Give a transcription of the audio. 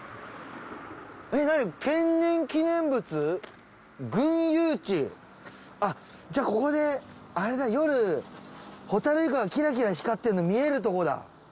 えっ何天然記念物？群遊地じゃここであれだ夜ホタルイカがキラキラ光ってるの見えるとこだ。